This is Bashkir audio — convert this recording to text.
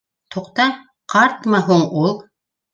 Туҡта, ҡартмы һуң ул?